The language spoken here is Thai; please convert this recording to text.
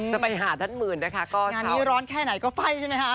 จะไปหาท่านหมื่นนะคะก็งานนี้ร้อนแค่ไหนก็ไฟ่ใช่ไหมคะ